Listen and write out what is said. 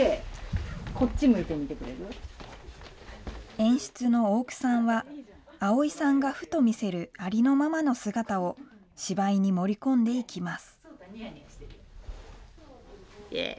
演出の大九さんは、葵さんがふと見せるありのままの姿を、芝居に盛り込んでいきます。